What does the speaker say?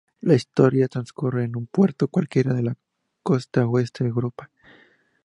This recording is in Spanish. La historia transcurre en un puerto cualquiera de la costa oeste europea.